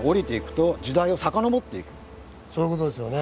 そういう事ですよね。